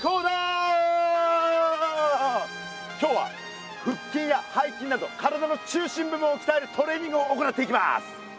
今日はふっきんやはいきんなど体の中心部分をきたえるトレーニングを行っていきます。